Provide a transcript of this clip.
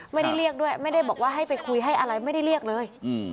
ไม่ได้เรียกด้วยไม่ได้บอกว่าให้ไปคุยให้อะไรไม่ได้เรียกเลย